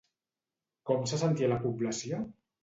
Com se sentia la població?